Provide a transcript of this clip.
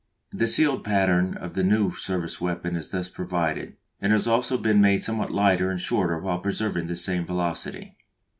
The sealed pattern of the new service weapon is thus provided, and has also been made somewhat lighter and shorter while preserving the same velocity.